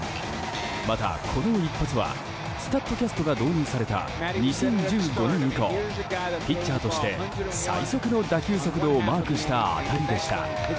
また、この一発はスタッドキャストが導入された２０１５年以降ピッチャーとして最速の打球速度をマークした当たりでした。